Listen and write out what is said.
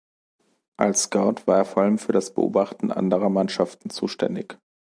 Als Scout war er vor allem für das Beobachten anderer Mannschaften zuständig.